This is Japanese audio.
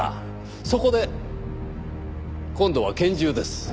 そこで今度は拳銃です。